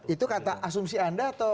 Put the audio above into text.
itu kata asumsi anda atau